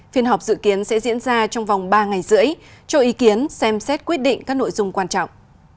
phiên họp dự kiến sẽ diễn ra trong vòng ba ngày rưỡi cho ý kiến xem xét quyết định các nội dung quan trọng